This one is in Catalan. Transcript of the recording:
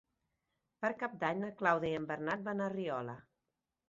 Per Cap d'Any na Clàudia i en Bernat van a Riola.